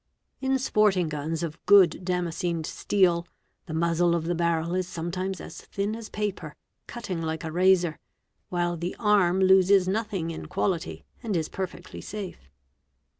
In sport ing guns of good damascened steel, the muzzle of the barrel is sometimes as thin as paper, cutting like a razor, while the arm loses nothing in ~ quality and is perfectly safe.